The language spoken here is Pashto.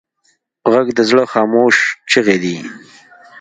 غږ د زړه خاموش چیغې دي